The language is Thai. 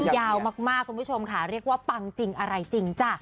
ยาวมากคุณผู้ชมค่ะเรียกว่าปังจริงอะไรจริงจ้ะ